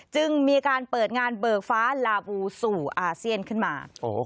จึงมีการเปิดงานเบิกฟ้าลาบูสู่อาเซียนขึ้นมา